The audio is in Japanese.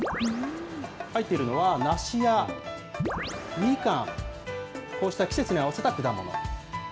入っているのは梨やみかん、こうした季節に合わせた果物。